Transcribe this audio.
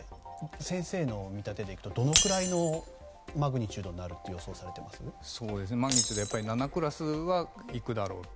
先生の見立てで行くとどのくらいのマグニチュードになるとマグニチュード７クラスはいくだろうと。